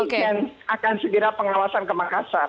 dan akan segera pengawasan ke makassar